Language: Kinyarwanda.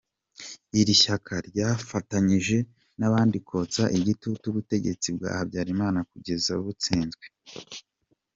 Iri shyaka ryafatanyije n’andi kotsa igitutu ubutegetsi bwa Habyarimana kugeza butsinzwe.